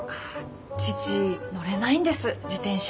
父乗れないんです自転車。